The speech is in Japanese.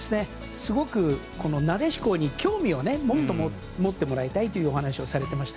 すごく、なでしこに興味をもっと持ってもらいたいとお話をされていました。